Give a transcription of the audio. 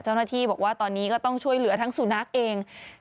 เจ้าหน้าที่บอกว่าตอนนี้ก็ต้องช่วยเหลือทั้งสุนัขเอง